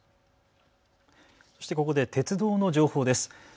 そしてここで鉄道の情報です。